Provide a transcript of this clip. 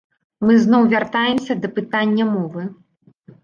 Мы зноў вяртаемся да пытання мовы.